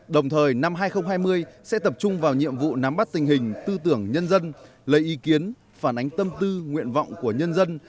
đồng thời năm hai nghìn hai mươi sẽ tập trung vào nhiệm vụ nắm bắt tình hình tư tưởng nhân dân lấy ý kiến phản ánh tâm tư nguyện vọng của nhân dân